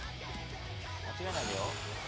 間違えないでよ。